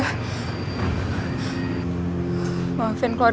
untuk menghentikan ular